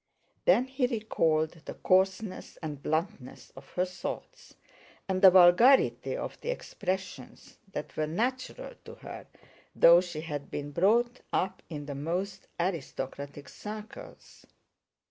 Then he recalled the coarseness and bluntness of her thoughts and the vulgarity of the expressions that were natural to her, though she had been brought up in the most aristocratic circles.